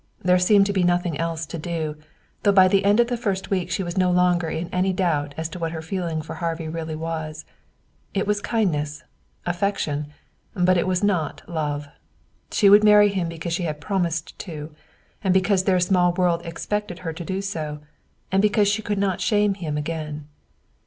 There seemed to be nothing else to do, though by the end of the first week she was no longer in any doubt as to what her feeling for Harvey really was. It was kindness, affection; but it was not love. She would marry him because she had promised to, and because their small world expected her to do so; and because she could not shame him again.